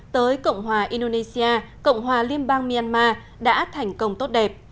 tới cộng hòa indonesia cộng hòa liên bang myanmar đã thành công tốt đẹp